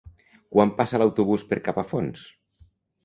Quan passa l'autobús per Capafonts?